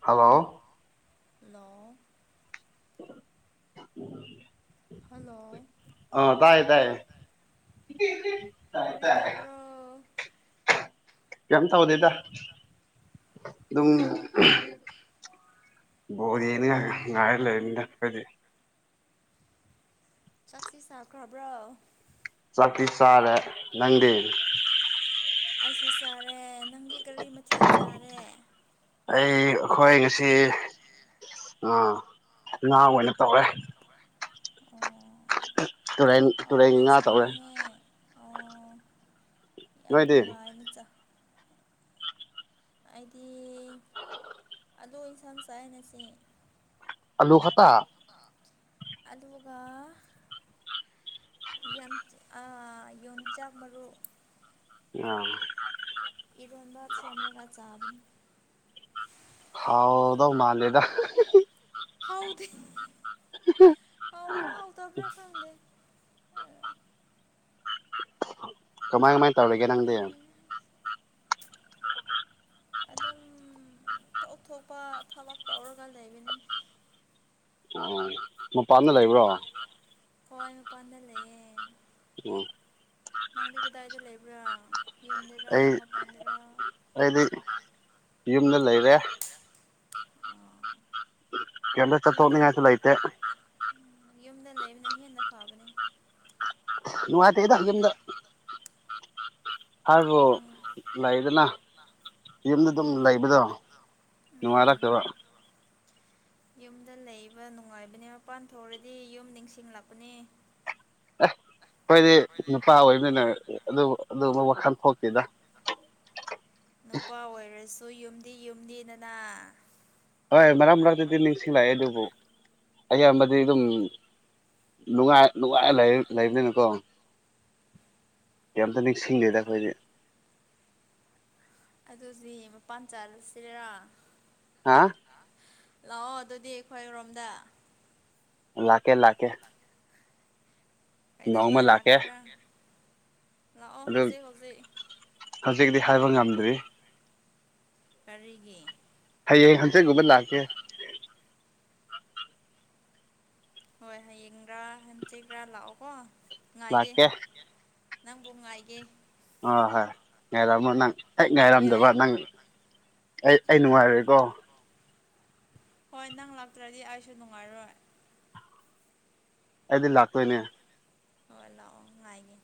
Hello ꯂꯣ hello ꯑꯥ ꯇꯥꯏꯌꯦ ꯇꯥꯏꯌꯦ ꯀꯩꯝ ꯇꯧꯗꯦꯗ ꯑꯗꯨꯝ ꯕꯣꯜ ꯌꯦꯅꯤꯉꯥꯏ ꯉꯥꯏꯔ ꯂꯩꯕꯅꯤꯗ ꯑꯩꯈꯣꯏꯗꯤ ꯆꯥꯛꯁꯤ ꯆꯥꯈ꯭ꯔꯕ꯭ꯔꯣ ꯆꯥꯛꯇꯤ ꯆꯥꯔꯦ ꯅꯪꯗꯦ ꯑꯩꯁꯨ ꯆꯥꯔꯦ ꯅꯪꯗꯤ ꯀꯥꯔꯤ ꯃꯊꯦꯜ ꯆꯥꯔꯦ ꯑꯩ ꯑꯩꯈꯣꯏ ꯉꯁꯤ ꯉꯥ ꯑꯣꯏꯅ ꯇꯧꯔꯦ ꯇꯨꯔꯦꯟ ꯇꯨꯔꯦꯟ ꯉꯥ ꯇꯧꯔꯦ ꯑꯣ ꯌꯥꯝ ꯅꯨꯡꯉꯥꯏ ꯅꯨꯆꯥ ꯍꯥꯏꯗꯤ ꯑꯂꯨ ꯑꯦꯟꯁꯝ ꯆꯥꯏꯅꯁꯦ ꯑꯂꯨ ꯈꯇꯥ ꯑꯗꯨꯒ ꯌꯝ ꯑꯥ ꯌꯣꯡꯆꯥꯛ ꯃꯔꯨ ꯑꯥ [inaudible] ꯏꯔꯣꯝꯕ ꯁꯦꯝꯔꯒ ꯆꯕꯅꯤ ꯍꯥꯎꯗꯣ ꯃꯥꯂꯦꯗ ꯍꯥꯎꯗꯦ ꯍꯥꯎꯕ꯭ꯔꯥ ꯍꯥꯎꯇꯕ꯭ꯔꯥ ꯈꯪꯗꯦ ꯀꯃꯥꯏ ꯀꯃꯥꯏ [unintelligible] ꯑꯗꯨꯝ ꯊꯣꯛ ꯊꯣꯛꯄ ꯊꯕꯛ ꯇꯧꯔꯒ ꯂꯩꯕꯅꯤ ꯑꯣ ꯃꯄꯥꯟꯗ ꯂꯩ ꯍꯣꯏ ꯃꯄꯥꯟꯗ ꯂꯩꯌꯦ ꯅꯪꯗꯤ ꯀꯗꯥꯏꯗ ꯂꯩꯕ꯭ꯔꯥ ꯌꯨꯝꯗꯔꯥ ꯃꯄꯥꯟꯗꯔꯥ ꯑꯩꯗꯤ ꯌꯨꯝꯗ ꯂꯩꯔꯦ [unintelligible] ꯌꯨꯝꯗ ꯎꯝ ꯌꯨꯝꯗ ꯂꯩꯕꯅ ꯍꯦꯟꯅ ꯐꯕꯅꯦ ꯅꯨꯉꯥꯏꯇꯦꯗ ꯌꯨꯝꯗ ꯍꯥꯏꯕꯨ ꯂꯩꯗꯅ ꯌꯨꯝꯗ ꯑꯗꯨꯝ ꯂꯩꯕꯗꯣ ꯅꯨꯡꯉꯥꯏ ꯔꯥꯇꯛꯕ ꯌꯨꯝꯗ ꯂꯩꯕ ꯅꯨꯡꯉꯥꯏꯕꯅꯦ ꯃꯄꯥꯟ ꯊꯣꯛꯔꯗꯤ ꯌꯨꯝ ꯅꯤꯡꯁꯤꯡꯂꯛꯄꯅꯤ ꯑꯦꯁ ꯑꯩꯣꯏꯗꯤ ꯅꯨꯄꯥ ꯑꯣꯏꯕꯅꯤꯅ ꯑꯗꯨ ꯑꯗꯨꯕ ꯋꯥꯈꯜ ꯊꯣꯛꯇꯗ ꯅꯨꯄꯥ ꯑꯣꯏꯔꯁꯨ ꯌꯨꯝꯗꯤ ꯌꯨꯝꯗꯤꯗꯅ ꯍꯣꯏ ꯃꯔꯛ ꯃꯔꯛꯇꯗꯤ ꯅꯤꯡꯁꯤꯡꯂꯛꯑꯦ ꯑꯗꯨꯕꯨ ꯑꯌꯥꯝꯕꯗꯤ ꯑꯗꯨꯝ ꯅꯨꯡꯉꯥꯏ ꯅꯨꯡꯉꯥꯏ ꯂꯩꯕꯅꯤꯅꯀꯣ ꯀꯩꯝꯇ ꯁꯤꯡꯁꯤꯗ ꯑꯩꯈꯣꯏꯁ ꯑꯗꯨꯗꯤ ꯃꯄꯥꯟ ꯆꯥꯂꯁꯤꯔꯥ ꯍꯥ ꯂꯥꯛꯑꯣ ꯑꯗꯨꯗꯤ ꯑꯩꯈꯣꯏꯔꯣꯝꯗ ꯂꯥꯛꯀꯦ ꯂꯥꯛꯀꯦ ꯀꯩꯗꯧꯅ ꯍꯥꯏ ꯂꯥꯛꯀꯦꯔꯪ ꯂꯥꯛꯑꯣ ꯍꯧꯖꯩ ꯍꯖꯩ ꯀꯔꯤꯒꯤ ꯍꯌꯦꯡ ꯍꯟꯆꯠꯒꯨꯝꯕ ꯂꯥꯛꯀꯦ ꯍꯣꯏ ꯍꯌꯦꯡꯒꯔꯥ ꯍꯟꯆꯒ꯭ꯔꯥ ꯂꯥꯛꯑꯣꯀꯣ ꯉꯥꯏꯒꯦ ꯅꯪꯕꯨ ꯉꯥꯏꯒꯦ ꯑ ꯍꯣꯏ ꯉꯥꯏꯔꯝꯃꯣ ꯅꯪ ꯍ ꯉꯥꯏꯔꯝꯗꯕ ꯅꯪ ꯑꯩ ꯑꯩ ꯅꯨꯡꯉꯥꯏꯔꯦꯀꯣ ꯍꯣꯏ ꯅꯪ ꯂꯥꯛꯇ꯭ꯔꯗꯤ ꯑꯩꯁꯨ ꯅꯨꯡꯉꯥꯏꯔꯣꯏ ꯑꯩꯗꯤ ꯂꯥꯛꯇꯣꯏꯅꯦ ꯍꯣꯏ ꯂꯥꯛꯑꯣ ꯉꯥꯏꯒꯦ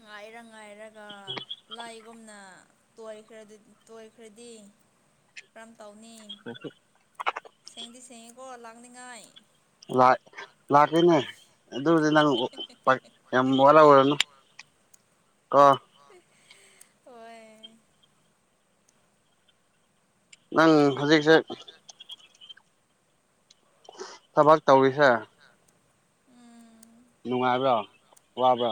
ꯉꯥꯏꯔ ꯉꯥꯏꯔꯒ ꯂꯥꯏ ꯨꯝꯅꯣꯏꯈ꯭ꯔ ꯇꯣꯏꯈ꯭ꯔꯗꯤ ꯀꯔꯝ ꯇꯧꯅꯤ ꯁꯦꯡꯗꯤ ꯁꯦꯡꯉꯤꯀꯣ ꯂꯥꯡꯅꯤꯉꯥꯏ ꯂ ꯂꯥꯛꯀꯅꯦ ꯑꯗꯨꯗꯤ ꯅꯪ ꯌꯥꯝ ꯋꯥꯂ ꯑꯣꯏꯔꯅꯨ ꯀ ꯍꯣꯏ ꯅꯪ ꯍꯧꯖꯤꯛꯁꯦ ꯊꯕꯛ ꯇꯧꯔꯤꯁꯦ ꯑꯥ ꯅꯨꯡꯉꯥꯏꯕ꯭ꯔꯥ ꯋꯥꯕ꯭ꯔꯥ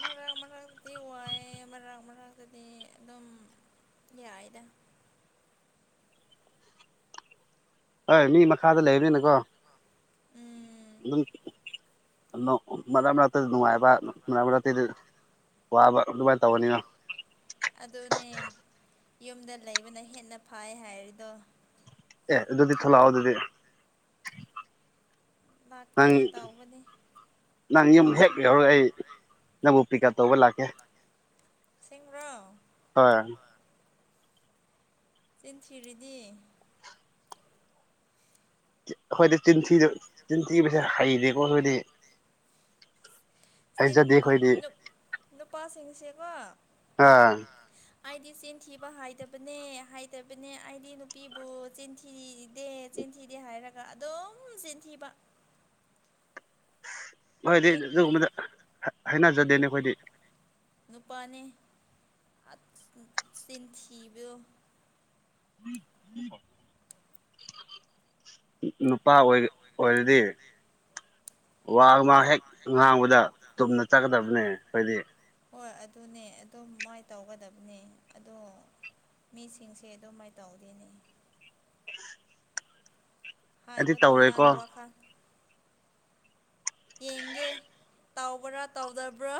ꯃꯔꯛ ꯃꯔꯛꯇꯗꯤ ꯋꯥꯏꯑ ꯃꯔꯛ ꯃꯔꯛꯇꯗꯤ ꯑꯗꯨꯝ ꯌꯥꯏꯗ ꯍꯣꯏ ꯃꯤ ꯃꯈꯥꯗ ꯂꯩꯕꯅꯤꯅꯀꯣ ꯎꯝ ꯅ ꯃꯔꯛ ꯃꯔꯛꯇꯗ ꯅꯨꯡꯉꯥꯏꯕ ꯃꯔꯛ ꯃꯔꯛꯇꯗꯤ ꯋꯥꯕ ꯑꯗꯨꯃꯥꯏꯅ ꯇꯧꯕꯅꯤꯅ ꯑꯗꯨꯅꯦ ꯌꯨꯝꯗ ꯂꯩꯕꯅ ꯍꯦꯟꯅ ꯐꯩ ꯍꯥꯏꯔꯤꯗꯣ ꯑꯦ ꯑꯗꯨꯗꯤ ꯊꯣꯂꯣ ꯑꯗꯨꯗꯤ ꯂꯥꯛꯀꯦ ꯇꯥꯎꯕꯅꯦ ꯅꯪ ꯌꯨꯝ ꯍꯦꯛ ꯌꯍꯧꯔ ꯑꯩ ꯅꯪꯕꯨ ꯄꯤꯛꯑꯞ ꯇꯧꯕ ꯂꯥꯛꯀꯦ ꯑꯁꯦꯡꯕ꯭ꯔꯣ ꯍꯣꯏ ꯆꯦꯟꯊ꯭ꯔꯤꯗꯤ ꯑꯩꯈꯣꯏꯗꯤ ꯆꯤꯟꯊꯤꯗ ꯆꯤꯟꯊꯤꯕꯁꯦ ꯍꯩꯔꯦꯀꯣ ꯑꯩꯈꯣꯏꯗꯤ ꯆꯤꯟ ꯅꯨ ꯅꯨꯄꯥꯁꯤꯡꯁꯦꯀꯣ ꯑ ꯑꯩꯗꯤ ꯆꯦꯟꯊꯤꯕ ꯍꯥꯏꯗꯕꯅꯦ ꯍꯥꯏꯗꯕꯅꯦ ꯑꯩꯗꯤ ꯅꯨꯄꯤꯕꯨ ꯆꯦꯟꯊꯤ ꯗꯦ ꯆꯦꯟꯊꯤꯗꯦ ꯍꯥꯏꯔꯒ ꯑꯗꯨꯝ ꯆꯦꯟꯊꯤꯕ ꯍꯣꯏꯗꯤ ꯑꯗꯨꯒꯨꯝꯕꯗ ꯍꯩꯅꯖꯗꯦꯅꯦ ꯑꯩꯈꯣꯏꯗꯤ ꯅꯨꯄꯥꯅꯦ ꯆꯤꯟ ꯊꯤꯕꯤꯌꯣ [unintelligible] ꯅꯨꯄꯥ ꯑꯣꯏ ꯑꯣꯏꯔꯗꯤ ꯋꯥ ꯉꯥꯡ ꯍꯦꯛ ꯉꯥꯡꯕꯗ ꯇꯨꯝꯅ ꯆꯥꯀꯗꯕꯅꯦ ꯍꯥꯏꯣꯏꯗꯤ ꯍꯣꯏ ꯑꯗꯨꯅꯦ ꯑꯗꯨꯝ ꯃꯥꯏꯅ ꯇꯧꯒꯗꯕꯅꯦ ꯑꯗꯣ ꯃꯤꯁꯤꯡꯁꯦ ꯑꯗꯨꯃꯥꯏ ꯇꯧꯗꯦꯅꯦ ꯍꯥꯏꯕ ꯇꯣꯉꯥꯟ ꯋꯥꯈꯜ ꯌꯦꯡꯒꯦ ꯇꯥꯎꯕ꯭ꯔꯥ ꯇꯧꯗꯕ꯭ꯔꯥ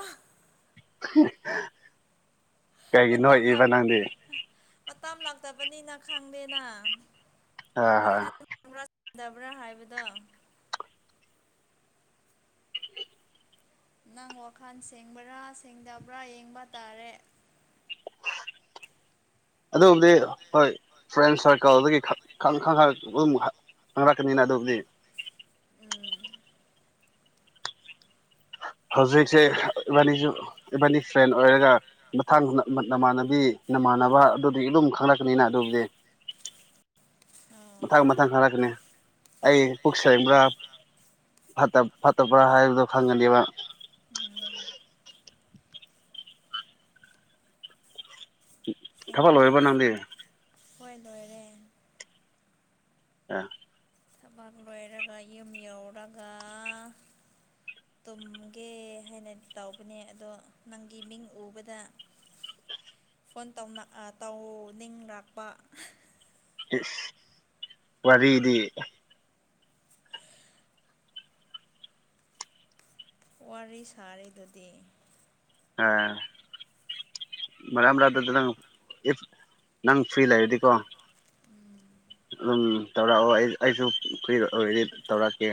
ꯀꯩꯒꯤ ꯅꯣꯛꯏꯕ ꯅꯪꯗꯤ ꯃꯇꯝ ꯂꯥꯛꯇꯕꯅꯤꯅ ꯈꯪꯗꯦꯅꯥ [unintelligible] ꯕ꯭ꯔꯥ ꯆꯗꯕ꯭ꯔꯥ ꯍꯥꯏꯕꯗꯣ ꯅꯪ ꯋꯥꯈꯜ ꯁꯦꯡꯕ꯭ꯔꯥ ꯁꯦꯡꯗꯕ꯭ꯔꯥ ꯌꯦꯡꯕ ꯇꯥꯔꯦ ꯑꯗꯨꯕꯨꯗꯤ ꯍꯣꯏ ꯐ꯭ꯔꯦꯟ ꯁꯥꯔꯀꯜꯗꯒꯤ ꯈꯪ ꯑꯗꯨꯝ ꯐꯪꯂꯛꯀꯅꯤꯅ ꯑꯗꯨꯕꯨꯗꯤ ꯍꯧꯖꯤꯛꯁꯦ ꯏꯕꯥꯅꯤꯖꯨ ꯏꯚꯟꯗꯤ ꯐ꯭ꯔꯦꯟ ꯑꯣꯏꯔꯒ ꯃꯊꯥꯡ ꯅꯃꯥꯟꯅꯕꯤ ꯅꯃꯥꯟꯅꯕ ꯑꯗꯨꯗꯒꯤ ꯑꯗꯨꯝ ꯈꯪꯂꯛ ꯑꯅꯤꯅ ꯑꯗꯨꯕꯨꯗꯤ ꯃꯊꯪ ꯃꯊꯪ ꯈꯪꯂꯛꯀꯅꯤ ꯑꯩ ꯄꯨꯛ ꯁꯦꯡꯕ꯭ꯔꯥ ꯐꯠꯇ ꯐꯠꯇꯕ꯭ꯔꯥ ꯍꯥꯏꯕꯗꯣ ꯈꯪꯒꯗꯤꯕ ꯎꯝ ꯊꯕꯛ ꯂꯣꯏꯔꯕꯣ ꯅꯪꯗꯤ ꯍꯣꯏ ꯂꯣꯏꯔꯦ ꯑꯥ ꯊꯕꯥꯛ ꯂꯣꯏꯔꯒ ꯌꯨꯝ ꯌꯧꯔꯒ ꯇꯨꯝꯒꯦ ꯍꯥꯏꯅ ꯇꯧꯕꯅꯦ ꯑꯗꯣ ꯅꯪꯒꯤ ꯃꯤꯡ ꯎꯕꯗ ꯐꯣꯟ ꯇꯧꯅ ꯑ ꯇꯧꯅꯤꯡꯔꯥꯛꯄ ꯏꯁ ꯋꯥꯔꯤꯗꯤ ꯋꯥꯔꯤ ꯁꯥꯔꯤꯗꯨꯗꯤ ꯑꯥ ꯃꯔꯥꯥꯛꯇꯗ ꯅꯪ ꯏꯐ ꯅꯪ ꯐ꯭ꯔꯤ ꯂꯩꯔꯗꯤꯀꯣ ꯑꯗꯨꯝ ꯇꯧꯔꯛꯑꯣ ꯑꯩ ꯑꯩꯁꯨ ꯀꯨꯏꯔꯗꯤ ꯇꯧꯔꯛꯀꯦ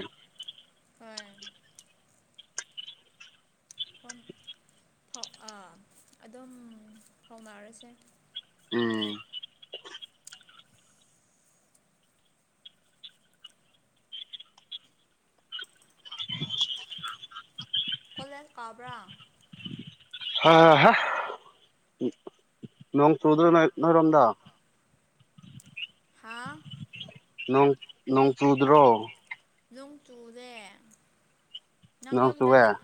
ꯍꯣꯏ ꯐꯣꯟ ꯑꯗꯨꯝ ꯍꯧꯥꯎꯅꯔꯁꯦ ꯎꯝ ꯀꯣꯂꯦꯟ ꯀꯥꯎꯕ꯭ꯔꯥ ꯅꯣꯡ ꯆꯨꯗ꯭ꯔꯣ ꯅꯣꯏꯔꯣꯝꯗ ꯍꯥꯥ ꯅꯣꯡ ꯅꯣꯡ ꯆꯨꯗ꯭ꯔꯣ ꯅꯣꯡ ꯆꯨꯔꯦ ꯅꯪ ꯌꯨꯝꯗ ꯂꯩ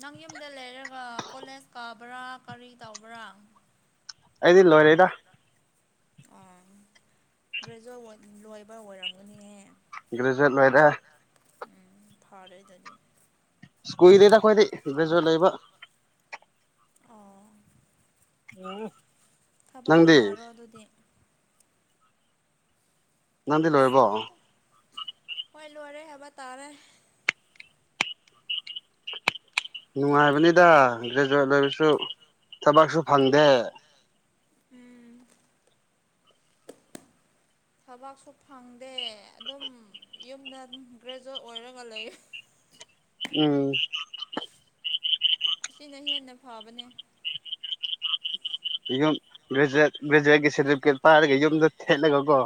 ꯅꯪ ꯌꯨꯝꯗ ꯂꯩꯔꯒ ꯀꯣꯂꯦꯖ ꯀꯥꯕ꯭ꯔꯥ ꯀꯔꯤ ꯇꯧꯕ꯭ꯔꯥ ꯑꯩꯗꯤ ꯂꯣꯏꯔꯦꯗ ꯑꯥ ꯒ꯭ꯔꯦꯖꯨꯋꯦꯠ ꯂꯣꯏꯕ ꯑꯣꯏꯔꯝꯒꯅꯤꯍ ꯎꯝ ꯐꯔꯦ ꯑꯗꯨꯗꯤ ꯏꯁ ꯀꯨꯏꯔꯦꯗꯥ ꯑꯩꯈꯣꯏꯗꯤ ꯒ꯭ꯔꯦꯖꯨꯋꯦꯠ ꯂꯣꯏꯕ ꯑꯣ ꯑꯣ ꯊꯕꯛ ꯍꯨꯅꯔꯣ ꯑꯗꯨꯗꯤ ꯍꯣꯏ ꯂꯣꯏꯔꯦ ꯑꯕ ꯇꯥꯔꯦ ꯅꯨꯡꯉꯥꯏꯕꯅꯤꯗꯥ ꯒ꯭ꯔꯦꯖꯨꯋꯦꯠ ꯂꯣꯕꯁꯨ ꯊꯕꯛꯁꯨ ꯐꯪꯗꯦ ꯊꯕꯥꯛꯁꯨ ꯐꯪꯗꯦ ꯑꯗꯨꯝ ꯌꯨꯝꯗ ꯑꯗꯨꯝ ꯒ꯭ꯔꯦꯖꯨꯋꯦꯠ ꯑꯣꯏꯔꯒ ꯂꯩ ꯎꯝ ꯑꯁꯤꯅ ꯍꯦꯟꯅ ꯐꯕꯅꯦ ꯌꯨꯝ ꯒ꯭ꯔꯦꯖꯨꯋꯦꯠ ꯒ꯭ꯔꯦꯖꯨꯋꯦꯠꯀꯤ ꯁꯦꯔꯇꯤꯐꯤꯀꯦꯠ ꯄꯥꯏꯔꯒ ꯌꯨꯝꯗ ꯊꯦꯠꯂꯒ ꯀꯣ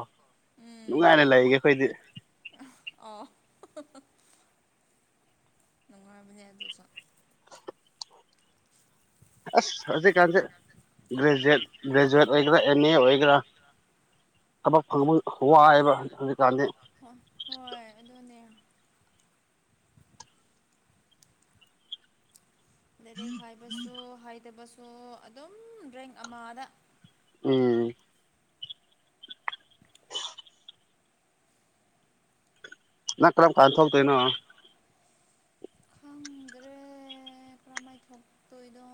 ꯅꯨꯡꯉꯥꯏꯅ ꯂꯩꯒꯦ ꯑꯩꯈꯣꯏꯗꯤ ꯑꯥꯎ ꯐꯕꯅꯦ ꯑꯗꯨꯁꯨ ꯑꯁ ꯍꯧꯖꯤꯛꯀꯥꯟꯁꯦ ꯒ꯭ꯔꯦꯖꯨꯋꯦꯠ ꯒ꯭ꯔꯦꯖꯨꯋꯦꯠ ꯑꯣꯏꯒꯦꯔꯥ ꯑꯦꯅꯤ ꯑꯣꯏꯒꯦꯔꯥ ꯊꯕꯛ ꯐꯪꯕ ꯋꯥꯏꯑꯕ ꯍꯧꯖꯤꯛꯀꯥꯟꯗꯤ ꯍꯣꯏ ꯑꯗꯨꯅꯦ ꯂꯔꯦꯛ ꯍꯥꯏꯕꯁꯨ ꯍꯥꯏꯗꯕꯁꯨ ꯑꯗꯨꯝ ꯔꯦꯡ ꯑꯃꯗ ꯎꯝ ꯅꯪ ꯀ꯭ꯔꯝ ꯀꯥꯟ ꯊꯣꯛꯇꯣꯏꯅꯣ ꯈꯪꯗ꯭ꯔꯦ ꯀ꯭ꯂꯥꯃꯥꯏꯊꯣ ꯇꯣꯏꯗꯣ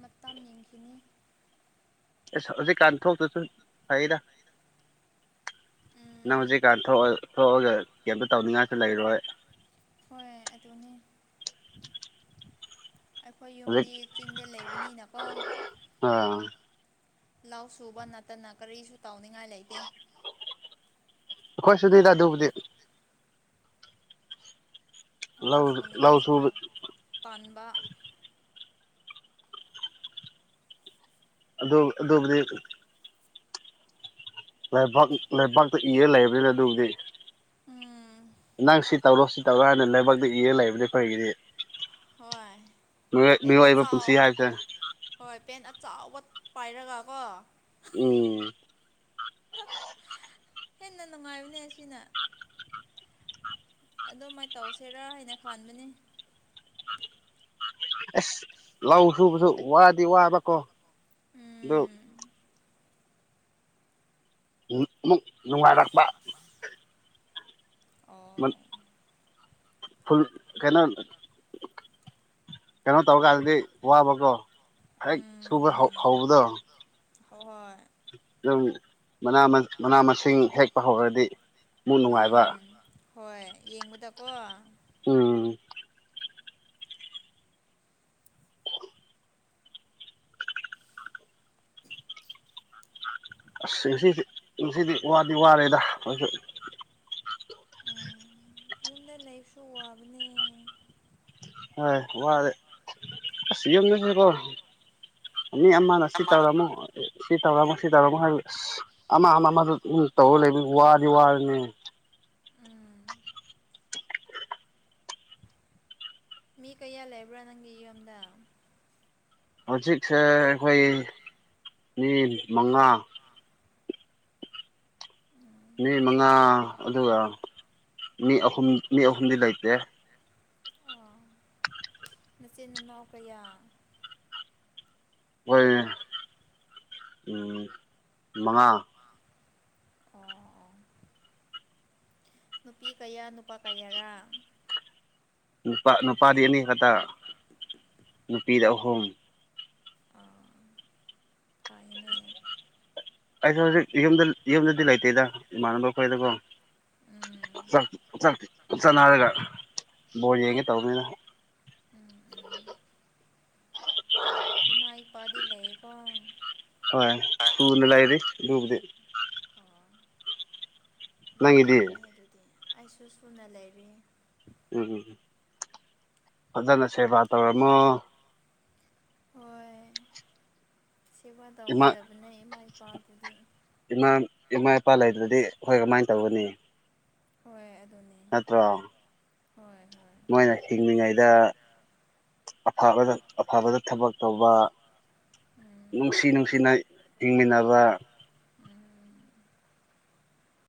ꯃꯇꯝ ꯌꯦꯡꯈꯤꯅꯤ ꯑꯦ ꯑꯁꯤ ꯀꯥꯟꯊꯣꯛꯇꯁꯨ ꯐꯩꯗ ꯅꯪ ꯍꯧꯖꯤꯛꯀꯥꯟ ꯊꯣꯛ ꯊꯣꯛꯑꯒ ꯀꯩꯝꯇ ꯇꯧꯅꯤꯡꯉꯥꯏꯁꯨ ꯂꯩꯔꯣꯏ ꯍꯣꯏ ꯑꯗꯨꯅꯤ ꯑꯩꯈꯣꯏ ꯌꯨꯝꯗꯤ ꯆꯤꯡꯗ ꯂꯩꯕꯅꯤꯅꯀꯣ ꯑ ꯂꯥꯎ ꯁꯨꯕ ꯅꯠꯇꯅ ꯀꯔꯤꯁꯨ ꯇꯥꯎꯅꯤꯡꯉꯥꯏ ꯂꯩꯇꯦ ꯑꯈꯣꯏꯁꯨꯅꯤꯗ ꯑꯗꯨꯕꯨꯗꯤ ꯂꯧ ꯁꯨꯅꯤꯡꯉꯥꯏꯁꯨ ꯂꯞ ꯇꯟꯕ ꯑꯗꯨ ꯑꯗꯨꯕꯗꯤ ꯂꯩꯕꯥꯛ ꯂꯩꯕꯥꯛꯇ ꯏꯔ ꯂꯩꯕꯅꯤꯅꯦ ꯑꯗꯨꯕꯨꯗꯤ ꯅꯪ ꯁꯤ ꯇꯧꯔꯣ ꯁꯤ ꯇꯧꯔꯣ ꯍꯥꯏꯅ ꯂꯩꯥꯏꯕꯛꯇ ꯏꯔꯒ ꯂꯩꯕꯅꯤ ꯀꯔꯤꯒꯤꯗꯤ ꯍꯣꯏ ꯍꯦꯟ ꯆꯥꯎ ꯍꯣꯏ ꯄꯦꯟ ꯑꯆꯧꯕ ꯄꯥꯏꯔꯒ ꯀꯣ ꯎꯝ ꯍꯦꯟꯅ ꯅꯨꯡꯉꯥꯏꯕꯅꯦ ꯑꯁꯤꯅ ꯑꯗꯨꯃꯥꯏꯅ ꯇꯧꯁꯤꯦꯔꯥ ꯍꯥꯏꯅ ꯈꯥꯟꯕꯅꯤ ꯑꯁ ꯂꯧ ꯁꯨꯕꯁꯨ ꯋꯥꯗꯤ ꯋꯥꯕꯀꯣ ꯑꯗꯨꯣ ꯑꯃꯨꯛ ꯅꯨꯡꯉꯥꯏꯔꯛꯄ ꯍꯥꯄꯥꯡ ꯐꯜ ꯀꯩꯅ ꯀꯩꯅꯣ ꯇꯧꯔꯀꯥꯟꯗꯗꯤ ꯋꯥꯕꯀꯣ ꯍꯦꯛ ꯁꯨꯕ ꯍꯧꯕꯗꯣ ꯍꯍꯣꯏ ꯑꯗꯨꯝ ꯃꯅꯥ ꯃꯁꯤꯡ ꯍꯦꯛꯄ ꯍꯧꯔꯗꯤ ꯑꯃꯨꯛ ꯅꯨꯡꯉꯥꯏꯕ ꯌꯦꯡꯕꯨ ꯇꯀꯣ ꯎꯝ ꯑꯁꯁꯤꯗꯤꯁꯤꯗꯤ ꯋꯥꯗꯤ ꯋꯥꯔꯦꯗꯣꯏꯁꯨ ꯂꯥꯏꯐ ꯁꯣꯑꯕꯅꯦ ꯍꯣꯏ ꯋꯥꯔꯦ ꯑꯁ ꯌꯨꯝꯗꯁꯤꯀꯣ ꯃꯤ ꯃꯤ ꯑꯃꯅ ꯁꯤ ꯇꯕꯔ ꯑꯃ ꯁꯤ ꯇꯧꯔꯝꯃꯣ ꯁꯤ ꯇꯧꯔꯃꯣ ꯍꯥꯏ ꯑꯃ ꯑꯃ ꯑꯃꯗꯨ ꯇꯧꯔ ꯂꯩꯕ ꯋꯥꯗꯤ ꯋꯥꯔꯅꯦ ꯃꯤ ꯀꯌꯥ ꯂꯩꯕ꯭ꯔꯥ ꯅꯪꯒꯤ ꯌꯨꯝꯗ ꯍꯧꯖꯤꯛꯁꯦ ꯑꯩꯈꯣꯏ ꯃꯤ ꯃꯉꯥ ꯃꯤ ꯃꯉꯥ ꯑꯗꯨꯒ ꯃꯤ ꯑꯍꯨꯝ ꯃꯤ ꯑꯍꯨꯝꯗꯤ ꯂꯩꯇꯦ ꯃꯆꯤꯟ ꯃꯅꯥꯎ ꯀꯌꯥ ꯑꯩꯈꯣꯏ ꯃꯉꯥ ꯅꯨꯄꯤ ꯀꯌꯥ ꯅꯨꯄꯥ ꯀꯌꯥꯔꯥ ꯅꯨꯄꯥ ꯅꯨꯄꯥꯗꯤ ꯑꯅꯤ ꯈꯛꯇ ꯅꯨꯄꯤꯗ ꯑꯍꯨꯝ꯫ ꯐꯩꯅꯦ꯫ ꯑꯩꯁꯦ ꯍꯧꯖꯤꯛ ꯌꯨꯝꯗ ꯌꯨꯝꯗꯗꯤ ꯂꯩꯇꯦꯗ ꯏꯃꯥꯟꯅꯕ ꯑꯩꯈꯣꯏꯗꯀꯣ ꯆꯅꯔꯒ ꯕꯣꯔ ꯌꯦꯡꯒꯦ ꯇꯧꯕꯅꯤꯗ [inaudible] ꯏꯃ ꯏꯄꯗꯤ ꯂꯩꯀꯣ꯫ ꯍꯣꯏ ꯁꯅ ꯂꯥꯏꯔꯤ ꯂꯕꯗꯤ ꯅꯨꯡꯉꯥꯏꯕꯅꯤ ꯑꯗꯨꯗꯤ ꯑꯩꯁꯨ ꯁꯨꯅ ꯂꯩꯔꯤ꯫ ꯎꯝ ꯎꯝ ꯎ ꯐꯖꯅ ꯁꯦꯕꯥ ꯇꯧꯔꯝꯃꯣ ꯁꯦꯕꯥ ꯇꯧꯒꯗꯕꯅꯦ ꯏꯃꯥ ꯏꯄꯥꯗꯨꯗꯤ ꯏꯃꯥ ꯏꯃꯥ ꯏꯄꯥ ꯂꯩꯗꯨ꯭ꯔꯗꯤ ꯍꯣꯏ ꯀꯃꯥꯏꯅ ꯇꯧꯒꯅꯤ ꯍꯣꯏ ꯑꯗꯨꯅꯦ꯫ ꯅꯠꯇ꯭ꯔꯣ ꯃꯣꯏꯅꯥ ꯍꯤꯡꯂꯤꯉꯩꯗ ꯑꯐꯕꯗ ꯑꯐꯕꯗ ꯊꯕꯛ ꯇꯧꯕ ꯅꯨꯡꯁꯤ ꯅꯨꯡꯁꯤꯅ ꯍꯤꯡꯃꯤꯟꯅꯕ